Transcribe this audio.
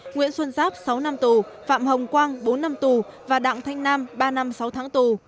nguyễn xuân giáp sáu năm tù phạm hồng quang bốn năm tù và đặng thanh nam ba năm sáu tháng tù